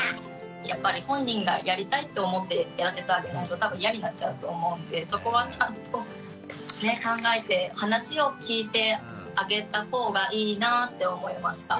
やっぱり本人がやりたいと思ってやらせてあげないと多分イヤになっちゃうと思うんでそこはちゃんとね考えて話を聞いてあげた方がいいなぁって思いました。